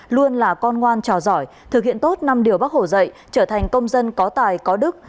luôn là con ngoan trò giỏi thực hiện tốt năm điều bắc hồ dạy trở thành công dân có tài có đức